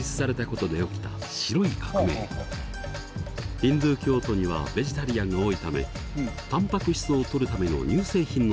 ヒンドゥー教徒にはベジタリアンが多いためたんぱく質をとるための乳製品の供給が増えたのです。